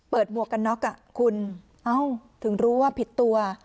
หมวกกันน็อกคุณเอ้าถึงรู้ว่าผิดตัว